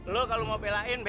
lo kalau mau belain bnb nya